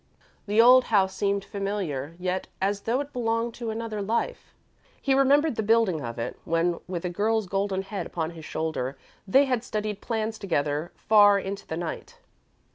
The old house seemed familiar, yet as though it belonged to another life. He remembered the building of it, when, with a girl's golden head upon his shoulder, they had studied plans together far into the night.